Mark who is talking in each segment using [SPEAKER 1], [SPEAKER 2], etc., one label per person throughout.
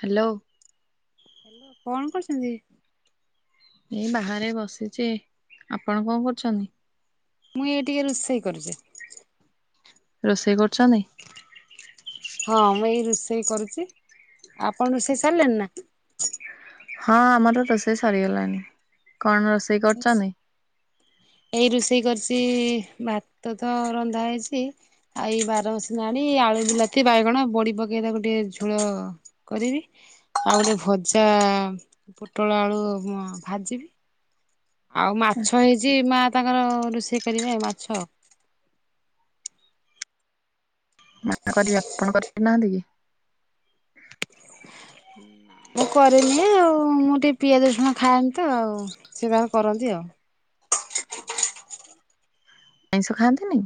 [SPEAKER 1] Hello.
[SPEAKER 2] କଣ କରୁଛନ୍ତି?
[SPEAKER 1] ଏଇ ବାହାରେ ବସିଚି ଆପଣ କଣ କରୁଛନ୍ତି?
[SPEAKER 2] ମୁଁ ଇଏ ଟିକେ ରୋଷେଇ କରୁଛି।
[SPEAKER 1] ରୋଷେଇ କରୁଛନ୍ତି?
[SPEAKER 2] ହଁ ମୁଁ ଏଇ ରୋଷେଇ କରୁଛି ଆପଣ ରୋଷେଇ ସାରିଲେଣି ନା?
[SPEAKER 1] ହଁ ଆମର ରୋଷେଇ ସରିଗଲାଣି କଣ ରୋଷେଇ କରୁଛନ୍ତି।
[SPEAKER 2] ଏଇ ରୋଷେଇ କରିଛି ଭାତ ତ ରନ୍ଧା ହେଇଛି। ଆଉ ଏଇ ବାର ବସି ନାଡି ଆଳୁ ବୁିଲାତି ବାଇଗଣ ବଡି ପକେଇ ତାକୁ ଟିକେ ଝୋଳ କରିବି ଆଉ ଗୋଟେ ଭଜା ପୋଟଳ ଆଳୁ ଅ ଭାଜିବି। ଆଉ ମାଛ ହେଇଛି ମା ତାଙ୍କର ରୋଷେଇ କରିବେ ମାଛ।
[SPEAKER 1] ମା କରିବେ ଆପଣ [unintelligible] ନାହାଁନ୍ତି କି?
[SPEAKER 2] ହୁଁ। ମୁଁ କରେନି ଆଉ ମୁଁ ଟିକେ ପିଆଜ ରଷୁଣ ଖାଏନି ତ ଆଉ ସିଏ ତାଙ୍କର କରନ୍ତି ଆଉ।
[SPEAKER 1] ଆଇଁଷ ଖାଆନ୍ତିନି?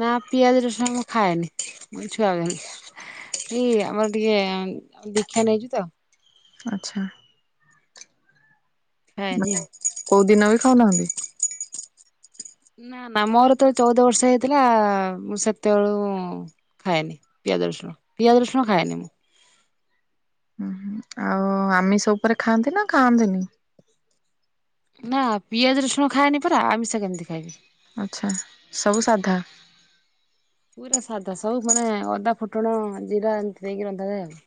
[SPEAKER 2] ନା ପିଆଜ ରସୁଣ ମୁଁ ଖାଏନି ମୋ ଛୁଆ ଦିନୁ। କି ଆମର ଟିକେ ଦୀକ୍ଷା ନେଇଛୁ ତ।
[SPEAKER 1] ଆଚ୍ଛା।
[SPEAKER 2] ଖାଏନିି ଆଉ।
[SPEAKER 1] କଉ ଦିନ ବି ଖାଉନାହାଁନ୍ତି।
[SPEAKER 2] ନା ନା ମୋର ତବେ ଚଉଦ ବର୍ଷ ହେଇଥିଲା ମୁଁ ସେତେବେଳୁ ଖାଏନି ପିଆଜ ରସୁଣ ପିଆଜ ରସୁଣ ଖାଏନି ମୁଁ।
[SPEAKER 1] ହୁଁ ଆଉ ଆମିଷ ଉପରେ ଖାଆନ୍ତି ନା ଖାଆନ୍ତିନି?
[SPEAKER 2] ନା ପିଆଜ ରସୁଣ ଖାଏନି ପରା ଆମିଷ କେମିତି ଖାଇବି?
[SPEAKER 1] ଆଚ୍ଛା ସବୁ ସାଧା?
[SPEAKER 2] ପୁରା ସାଧା ସବୁ ମାନେ ଅଦା ଫୁଟଣ ଜିରା ଏମିତି ଦେଇକି ରନ୍ଧାଯାଏ ଆଉ।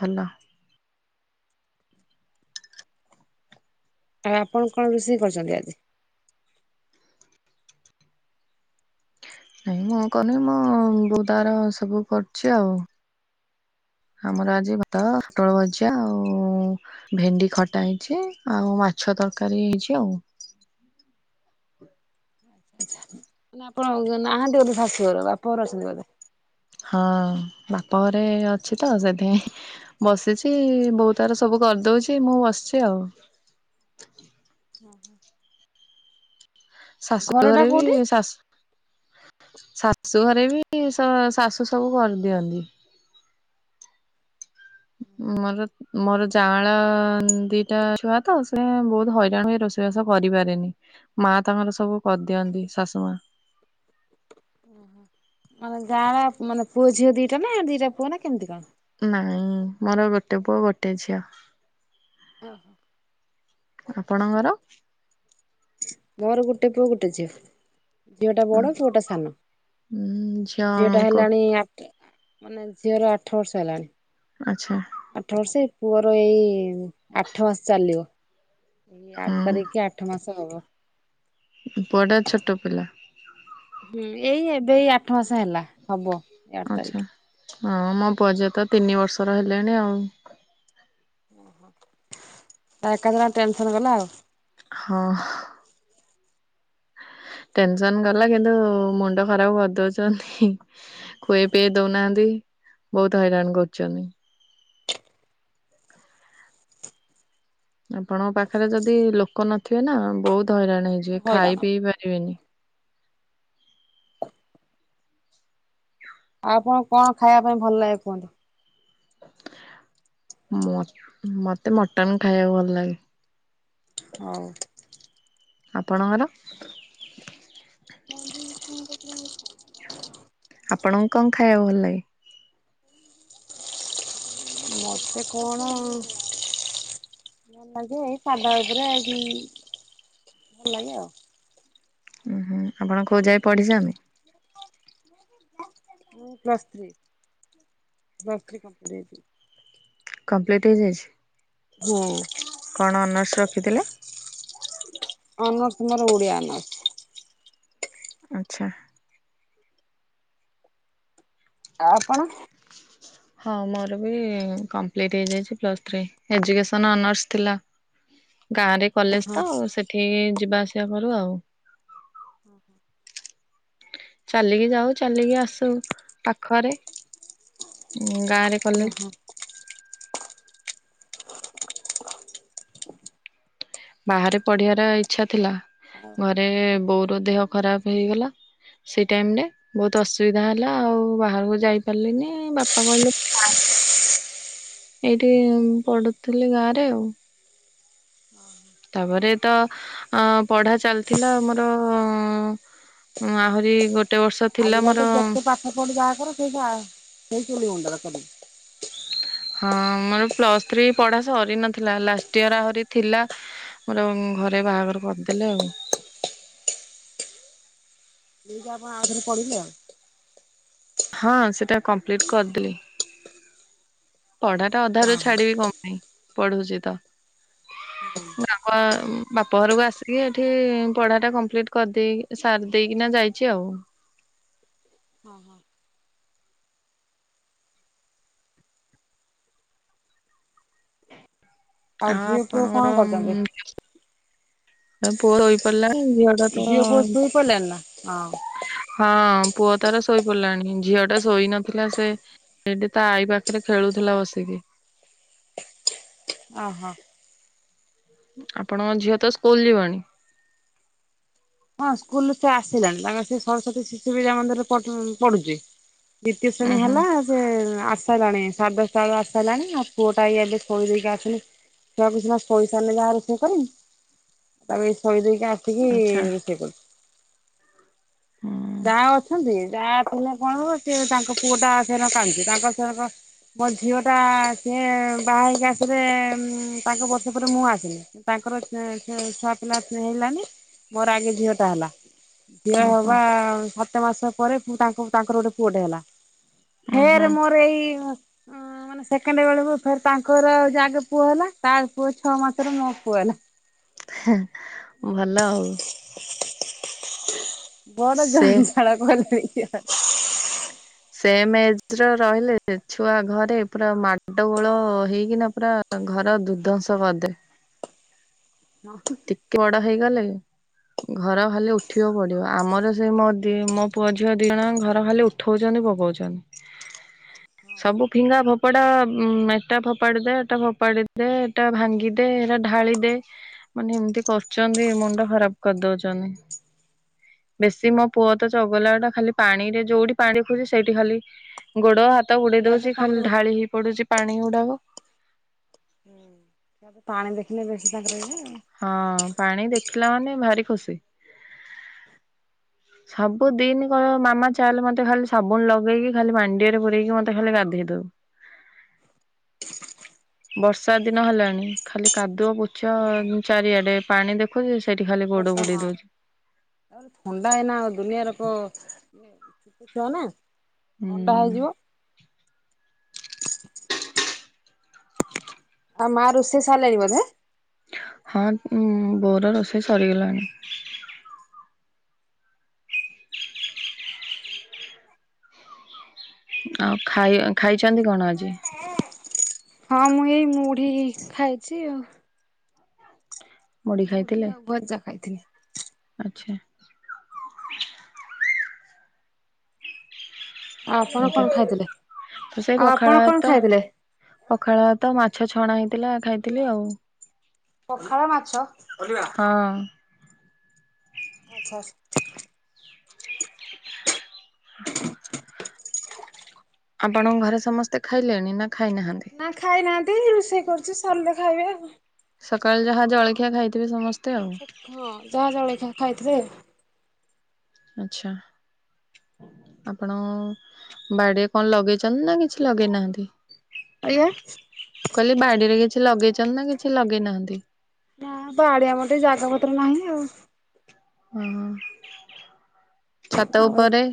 [SPEAKER 1] ଭଲ।
[SPEAKER 2] ଆଉ ଆପଣ କଣ ରୋଷେଇ କରିଛନ୍ତି ଆଜି?
[SPEAKER 1] ନାଇଁ ମୁଁ କରୁନି ମୁଁ ବୋଉ ତାର ସବୁ କରୁଛି ଆଉ। ଆମର ଆଜି ଭାତ ପୋଟଳ ଭଜା ଆଉ ଭେଣ୍ଡି ଖଟା ହେଇଛି ଆଉ ମାଛ ତରକାରୀ ହେଇଛି ଆଉ।
[SPEAKER 2] ଆଚ୍ଛା ମୁନି ଆପଣ ନାହାଁନ୍ତି ବୋଧେ ଶାଶୁ ଘର ବାପ ଘରେ ଅଛନ୍ତି ବୋଧେ?
[SPEAKER 1] ହଁ ବାପ ଘରେ ଅଛି ତ ସେଥିପାଇଁ ହିଁ। ବସିଛି ବୋଉ ତାର ସବୁ କରିଦଉଛି ମୁଁ ବସିଛି ଆଉ।
[SPEAKER 2] ହଁ ହଁ।
[SPEAKER 1] ଶାଶୁ
[SPEAKER 2] ଘରଟା
[SPEAKER 1] ଘରେ ବି
[SPEAKER 2] କୋଉଠି?
[SPEAKER 1] ଶାସ ଶାଶୁ ଘରେ ବି ସ ଶାଶୁ ସବୁ କରିଦିଅନ୍ତି। ମୋର ମୋର ଯ ଜାଆଁଳା ଦିଟା ଛୁଆ ତ ସେ ବହୁତ ହଇରାଣ ହୁଏ ରୋଷେଇବାସ କରିପାରେନି। ମା ତାଙ୍କର ସବୁ କରିଦିଅନ୍ତି ଶାଶୁ ମା।
[SPEAKER 2] ଓହୋ। ମାନେ ଗାଁର ମାନେ ପୁଅ ଝିଅ ଦିଟା ନା ଦିଟା ପୁଅ ନା କେମିତି କଣ।
[SPEAKER 1] ନାଇଁ ମୋର ଗୋଟେ ପୁଅ ଗୋଟେ ଝିଅ।
[SPEAKER 2] ଓହୋ।
[SPEAKER 1] ଆପଣଙ୍କର
[SPEAKER 2] ମୋର ଗୋଟେ ପୁଅ ଗୋଟେ ଝିଅ ଝିଅଟା ବଡ ପୁଅଟା ସାନ ଝିଅଟା
[SPEAKER 1] ଝିଅଙ୍କୁ
[SPEAKER 2] ହେଲାଣି ଆ ମାନେ ଝିଅର ଆଠ ବର୍ଷ ହେଲାଣି
[SPEAKER 1] ଆଛା
[SPEAKER 2] ଆଠ ବର୍ଷ ଏଇ ପୁଅର ଏଇ ଆଠ ମାସ ଚାଲିବ ଏଇ ଆଠ
[SPEAKER 1] ହୁଁ
[SPEAKER 2] ତାରିଖ କି ଆଠ ମାସ ହବ
[SPEAKER 1] ପୁଅ ଟା ଛୋଟ ପିଲା
[SPEAKER 2] ହୁଁ ଏଇ ଏବେ ଆଠ ମାସ ହେଲା ହବ ଏଇ ଆଠ ତାରିଖ
[SPEAKER 1] ଆଛା ହଁ ମୋ ପୁଜ ତ ତିନି ବର୍ଷର ହେଲେଣି ଆଉ
[SPEAKER 2] ଏକା ଥର ଟେନସନ ଗଲା ଆଉ
[SPEAKER 1] ହଁ ଟେନସନ ଗଲା କିନ୍ତୁ ମୁଣ୍ଡ ଖରାପ କରିଦଉଛନ୍ତି ଖୁଏ ପିଇ ଦଉନାହାନ୍ତି ବହୁତ ହଇରାଣ କରୁଛନ୍ତି। ଆପଣଙ୍କ ପାଖରେ ଯଦି ଲୋକ ନଥିବେ ନା ବହୁତ ହଇରାଣ ହେଇଯିବେ
[SPEAKER 2] ହଇରାଣ
[SPEAKER 1] ଖାଇ ପିଇ ପାରିବେନି
[SPEAKER 2] ଆଉ ଆପଣ କଣ ଖାଇବା ପାଇଁ ଭଲ ଲାଗେ କୁହନ୍ତୁ
[SPEAKER 1] ମତ୍ ମତେ ମଟନ ଖାଇବାକୁ ଭଲ ଲାଗେ।
[SPEAKER 2] ହଉ
[SPEAKER 1] ଆପଣଙ୍କର
[SPEAKER 2] ମୁଙ୍କ [unintelligible]
[SPEAKER 1] ଆପଣଙ୍କୁ କଣ ଖାଇବାକୁ ଭଲ ଲାଗେ?
[SPEAKER 2] ମୋତେ କଣ ଭଲ ଲାଗେ ଏଇ ସାଧା ଉପରେ ଏଇ ଜୁ ଉ ଭଲ ଲାଗେ ଆଉ
[SPEAKER 1] ଉ ହୁଁ ଆପଣ କୋଉ ଯାଇ ପଢିଛନ୍ତି?
[SPEAKER 2] ମୁଁ ପ୍ଲସ୍ ଥ୍ରୀ ପ୍ଲସ୍ ଥ୍ରୀ କମୋଲ୍ଟେ
[SPEAKER 1] କମ୍ପ୍ଲିଟହେଇଯାଇଛି
[SPEAKER 2] ହୁଁ
[SPEAKER 1] କଣ ଅନର୍ସ ରଖିଥିଲେ?
[SPEAKER 2] ଅନସ ମୋର ଓଡିଆ ଅନସ
[SPEAKER 1] ଆଚ୍ଛା
[SPEAKER 2] ଆ ଆପଣ
[SPEAKER 1] ହଁ ମୋର ବି କମ୍ପ୍ଲିଟ୍ ହେଇଯାଇଛି ପ୍ଲସ୍ ଥ୍ରୀ ଏଜୁକେସନ୍ ଅନର୍ସ ଥିଲା ଗାଁ ରେ
[SPEAKER 2] ହଁ
[SPEAKER 1] କଲେଜ
[SPEAKER 2] ହଁ
[SPEAKER 1] ତ ସେଠି ଯିବା ଆସିବା କରୁ ଆଉ
[SPEAKER 2] ହୁଁ ହୁଁ
[SPEAKER 1] ଚାଲିକି ଯାଉ ଚାଲିକି ଆସୁ ପାଖରେ ଉ ଗାଁରେ
[SPEAKER 2] ହୁଁ
[SPEAKER 1] କଲେଜ
[SPEAKER 2] ହୁଁ
[SPEAKER 1] ବାହାରେ ପଢିବାର ଇଚଛା ଥିଲା ଘରେ ବୋଉର ଦେହ ଖରାପ ହେଇଗଲା ସେଇ ଟାଇମରେ ବହୁତ ଅସୁବିଧା ହେଲା ଆଉ ବାହାରକୁ ଯାଇ ପାରିଲିନି ବାପା କହିଲେ ଏଇଠି ପଡୁଥିଲି ଗାଁ ରେ ଆଉ
[SPEAKER 2] ଓଁହ
[SPEAKER 1] ତାପରେ ତ ଅ ପଢା ଚାଲିଥିଲା ଆମର ଉଁ, ଆହୁରି ଗୋଟେ ବର୍ଷ ଥିଲା ମୋର
[SPEAKER 2] ସେପଟେ ଯାହାକର ସେଇଟା, ସେଇ ଚୁଲି ମୁଣ୍ଡର କରିବି।
[SPEAKER 1] ହଁ ମୋର ପ୍ଲସ୍ ଥ୍ରୀ ପଢା ସରି ନଥିଲା ଲାଷ୍ଟ ଇୟର୍ ଆହୁରି ଥିଲା ମୋର ଘରେ ବାହାଘର କରିଦେଲେ ଆଉ।
[SPEAKER 2] ଦେଇକି ଆପଣ ଆଉଥରେ ପଢିଲେ ଆଉ।
[SPEAKER 1] ହଁ ସେଟା କମ୍ପ୍ଲିଟ୍ କରିଦେଲିି, ପଢାଟା
[SPEAKER 2] ହଁ
[SPEAKER 1] ଅଧାରୁ
[SPEAKER 2] ହଁ।
[SPEAKER 1] ଛାଡିବି କଣ ପାଇଁ? ପଢୁଚି ତ।
[SPEAKER 2] ଅହଁ।
[SPEAKER 1] ବାପ ଉଁ, ବାପ ଘରକୁ ଆସିକି ଏଠି ପଢା ଟା କମ୍ପ୍ଲିଟ୍ କରିଦେଇକି ସାରି ଦେଇକିନା ଯାଇ ଚି ଆଉ।
[SPEAKER 2] ହଁ, ହଁ। ଆଉ
[SPEAKER 1] ଆଁ,
[SPEAKER 2] ଝିଅ ପୁଅ କଣ
[SPEAKER 1] ଆପଣଙ୍କର
[SPEAKER 2] କରୁଛନ୍ତି
[SPEAKER 1] ଉଁ, ଆ, ପୁଅ ଶୋଇପଡିଲାଣି ଝିଅ ଟା ତ
[SPEAKER 2] ପୁଅ ଶୋଇ ପଡ଼ିଲାଣି ନା? ହଁ।
[SPEAKER 1] ହଁ ପୁଅ ତାର ଶୋଇ ପଡିଲାଣି, ଝିଅ ଟା ଶୋଇ ନଥିଲା ସେ ଏଠି ତା ଆଈ ପାଖରେ ଖେଳୁଥିଲା ବସିକି।
[SPEAKER 2] ଅଁ, ହଁ।
[SPEAKER 1] ଆପଣଙ୍କ ଝିଅ ତ ସ୍କୁଲ୍ ଯିବଣି?
[SPEAKER 2] ହଁ ସ୍କୁଲ୍ ରୁ ସେ ଆସିଲାଣି ତାଙ୍କର ସେ ସରସ୍ଵତୀ ଶିଶୁ ବିଦ୍ୟା ମନ୍ଦିରରେ ପଢ ଅଁ, ପଢୁଚି। ଦ୍ଵିତୀୟ ଶ୍ରେଣୀ ହେଲା। ହୁଁ, ଆସଲାଣି, ସାଡ୍ ଦଶଟାବେଳୁ ଆସଲାଣି ଆଉ ପୁଅଟା ଏଇ ଏବେ ଶୋଇ ଦେଇକି ଆସିଲି। ଛୁଆକୁ ସିନା ଶୋଇ ସାରିଲେ ଯାହା ରୁଷେଇ କରିମି। ତାକୁ ଏଇ ଶୋଇ ଦେଇକି ଆସ ଠିକି
[SPEAKER 1] ଆଚ୍ଛା।
[SPEAKER 2] ରୋଷେଇ କରୁଛି,
[SPEAKER 1] ହୁଁ
[SPEAKER 2] ଯା ଅଛନ୍ତି, ଯା ହେଲେ କଣ କହିଲୁ ସିଏ ତାଙ୍କ ପୁଅ ଟା ସେରଙ୍କ କାନ୍ଦୁଚି, ତାଙ୍କ ସେରକ ମୋ ଝିଅ ଟା ସିଏ ବାହା ହେଇକି ଆସିଲେ ଉଁ, ତାଙ୍କ ବର୍ଷେ ପରେ ମୁଁ ଆସିଲି। ତାଙ୍କର ସେ ସେ ଛୁଆ ପିଲା ସେ ହେଲାନି, ମୋର ଆଗେ ଝିଅ ଟା ହେଲା, ଝିଅ
[SPEAKER 1] ଓହୋ
[SPEAKER 2] ହବା ସ ସାତ ମାସ ପରେ ହୁଁ, ତାଙ୍କୁ ତାଙ୍କର ଗୋଟେ ପୁଅଟେ ହେଲା।
[SPEAKER 1] ଉଁ ହୁଁ
[SPEAKER 2] ଫେରେ ମୋର ଏଇ ଉ ହଁ ମାନେ ସେକେଣ୍ଡେ ବେଳକୁ ଫେର ତାଙ୍କର ଯେ ଆଗେ ପୁଅ ହେଲା ତା ପୁଅ ଛଅ ମାସର ମୋ ପୁଅ ହେଲା।
[SPEAKER 1] ହଁ ଭଲ ଆଉ।
[SPEAKER 2] ହ ବଡ
[SPEAKER 1] ସେ
[SPEAKER 2] ଜଞ୍ଜାଳ କରିବେ ସିଏ ହୋ।
[SPEAKER 1] ସେମ୍ ଏଜ୍ ର ରହିଲେ ଛୁଆ ଘରେ ପୁରା ମାଣ୍ଡ ଗୋଳ ହେଇକିନା ପୁରା ତ ଘର ଦୁଦସ କରଦେ।
[SPEAKER 2] ହଁ କି
[SPEAKER 1] ଟିକେ ବଡ ହେଇଗଲେ। ଘର ଖାଲି ଉଠିବ ପଡିବ, ଆମର ସେଇ ମୋ ଦି- ମୋ ପୁଅ ଝିଅ ଦି ଜଣ ଘର ଖାଲି ଉଠ ଠଉଚନି ପକଉଛନି। ସବୁ ଫିଙ୍ଗା ଫୋପାଡା ଉଁ, ଏଟା ଫୋପାଡି ଦେ, ଏଟା ଫୋପାଡି ଦେ, ଏଟା ଭାଙ୍ଗି ତେ ଏଟା ଢାଳି ଦେ, ମାନେ ଏମିତି କରୁଚନ୍ତି ମୁଣ୍ଡ ଖରାପ କରିଦଉଚନି। ବେଶୀ ମୋ ପୁଅ ତ ଚଗଲା ଟା, ଖାଲି ପାଣି ରେ ଯୋଉଠି ପାଣି ଖୋଜି ସେଇଠି ଖାଲି ଗୋଡ ହାତ ବୁଡେଇ
[SPEAKER 2] ଛୁଆ ତ
[SPEAKER 1] ଦଉଚି, ଖାଲି
[SPEAKER 2] ପାଣି
[SPEAKER 1] ଢାଳି ହେଇ ପଡୁଛି ପାଣି ଗୁଡାକ।
[SPEAKER 2] ପାଣି ଦେଖିଲେ ବେଶୀ ତାଙ୍କର ଇଏ।
[SPEAKER 1] ହଁ ପାଣି ଦେଖିଲା ମାନେ ଭାରି ଖୁସି। ସବୁଦିନ କହିବ ମାମା ଚାଲ ମୋତେ ଖାଲି ସାବୁନ ଲଗେଇକି ଖାଲି ମାଣ୍ଡିଆରେ ପୁରେଇକି ମୋତେ ଖାଲି ଗାଧେଇ ଦବୁ। ବର୍ଷା ଦିନ ହେଲାଣି, ଖାଲି କାଦୁଅ ପୁଚ ଉଁ, ଚାରିଆଡେ ପାଣି ଦେଖୁଚି
[SPEAKER 2] ମୋର ସ ହଁ। ଥଣ୍ଡା ଏଇନା ଦୁନିଆରୋଗ ଛୁଆ ନା ଥଣ୍ଡା
[SPEAKER 1] ହୁଁ
[SPEAKER 2] ହେଇଯିବ। ଆଉ ମା ରୁଷେଇ ସାର୍ଲେଣୀ ବଧେ।
[SPEAKER 1] ହଁ ମୁଁ ବୋର ରୋଷେଇ ସରିଗଲାଣି। ଆଉ ଖାଇ ଖାଇଛନ୍ତି କଣ ଆଜି?
[SPEAKER 2] ହଁ ମୁଁ ଏଇ ମୁଢି ଖାଇଛି ଆଉ।
[SPEAKER 1] ମୁଢି
[SPEAKER 2] ମୂଢି ଆଉ ଭଜା ଖାଇଥିଲି।
[SPEAKER 1] ଆଛା।
[SPEAKER 2] ଆଉ ଆପଣ
[SPEAKER 1] ଏ ତ
[SPEAKER 2] କଣ ଖାଇଥିଲେ?
[SPEAKER 1] ତ ସେଇ
[SPEAKER 2] ଆଉ ଆପଣ
[SPEAKER 1] ପଖାଳ
[SPEAKER 2] କଣ
[SPEAKER 1] ଭାତ।
[SPEAKER 2] ଖାଇଥିଲେ?
[SPEAKER 1] ପଖାଳ ଭାତ ମାଛ ଛଣା ହେଇଥିଲା ଖାଇଥିଲି ଆଉ।
[SPEAKER 2] ପଖାଳ ମାଛ
[SPEAKER 1] ହଁ।
[SPEAKER 2] ଆଚ୍ଛା।
[SPEAKER 1] ଆପଣଙ୍କ ଘରେ ସମସ୍ତେ ଖାଇଲେଣି ନା ଖାଇନାହାନ୍ତି।
[SPEAKER 2] ନା ଖାଇନାହାନ୍ତି ରୁଷେଇ କରୁଛି ସରିଲେ ଖାଇବେ ଆଉ।
[SPEAKER 1] ସକାଳେ ଯାହା ଜଳଖିଆ ଖାଇଥିବେ ସମସ୍ତେ ଆଉ।
[SPEAKER 2] ହଁ ଚାହା ଜଳିଖିଆ ଖାଇଥିଲେ।
[SPEAKER 1] ଆଚ୍ଛା। ଆପଣ ବାଡିରେ କଣ ଲଗେଇଛନ୍ତି ନା କିଛି ଲଗେଇନାହାନ୍ତି।
[SPEAKER 2] ଆଜ୍ଞା।
[SPEAKER 1] କହିଲି ବାଡିରେ କିଛି ଲଗେଇଛନ୍ତି ନା କିଛି ଲଗେଇନାହାନ୍ତି।
[SPEAKER 2] ନା ବାଡିଆ ମୋଟେ ଜାଗା ପତ୍ର ନାହିଁ ଆଉ।
[SPEAKER 1] ହଁ ଛାତ
[SPEAKER 2] ଆଉ
[SPEAKER 1] ଉପରେ।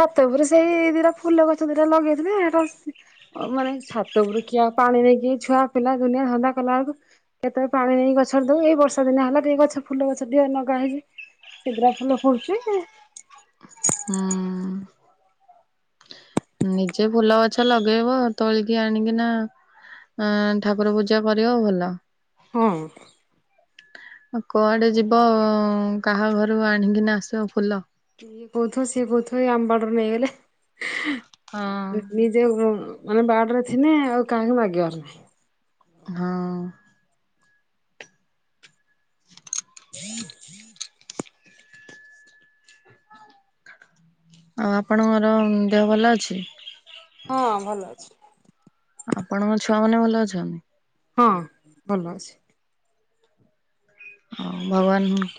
[SPEAKER 2] ଛାତ ଉପରେ ସେଇ ଦିଟା ଫୁଲ ଗଛ ଦିଟା ଲଗେଇଥିଲି ହେଟୁ ସ୍ ଅ ମାନେ ଛାତ ଉପରୁ ଖ୍ୟା ପାଣି ଦେଇକି ଛୁଆ ପିଲା ଦୁନିଆ ଧନ୍ଦା କଲା ବେଳୁକୁ କେତେବେଳେ ପାଣି ନେଇ ଗଛରେ ଦଉଏଇ ବର୍ଷା ଦିନା ହେଲା ଟିକେ ଗଛ ଫୁଲ ଗଛ ଟିକେ ନଗା ହେଇଛିି। ସେଦ୍ରା ଫୁଲ ଫୁଟୁଚି।
[SPEAKER 1] ହୁଁ। ନିଜେ ଫୁଲ ଗଛ ଲଗେଇବ ତୋଳିକି ଆଣିକିନା ଅଁ ଠାକୁର ପୂଜା କରିବ ଭଲ।
[SPEAKER 2] ହଁ।
[SPEAKER 1] କୁଆଡେ ଯିବ କାହା ଘରୁ ଆଣିକିନା ଆସିବ ଫୁଲ।
[SPEAKER 2] ଇଏ କହୁଥିବ ସିଏ କହୁଥିବ ଇଏ ଆମ ବାଡିରୁ ନେଇଗଲେ
[SPEAKER 1] ହଁ
[SPEAKER 2] ଆଉ ନି ନିଯେ ଉ ମାନେ ବାଡ଼ିରେ ଥିନେ ଆଉ କାହାକୁ ମାଗିବାର ନାହିଁ।
[SPEAKER 1] ହଁ।
[SPEAKER 2] [inaudible]
[SPEAKER 1] ଆଉ ଆପଣଙ୍କର ଦେହ ଭଲ ଅଛି।
[SPEAKER 2] ହଁ ଭଲ ଅଛି।
[SPEAKER 1] ଆପଣଙ୍କ ଛୁଆ ମାନେ ଭଲ ଅଛନ୍ତି।
[SPEAKER 2] ହଁ ଭଲ ଅଛି।
[SPEAKER 1] ହଉ ଭଗବାନ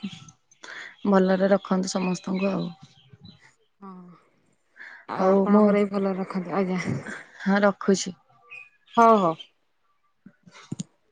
[SPEAKER 1] ଭଲରେ ରଖନ୍ତୁ ସମସ୍ତଙ୍କୁ ଆଉ।
[SPEAKER 2] ହଁ ଆଉ
[SPEAKER 1] ହଉ ମୁଁ
[SPEAKER 2] ଆପଣଙ୍କର ବି ଭଲ ରଖନ୍ତୁ ଆଜ୍ଞା।
[SPEAKER 1] ହଁ ରଖୁଛି।
[SPEAKER 2] ହଉ ହଉ।
[SPEAKER 1] [inaudible]